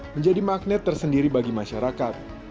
menjadi magnet tersendiri bagi masyarakat